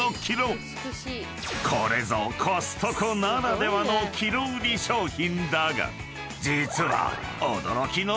［これぞコストコならではのキロ売り商品だが実は］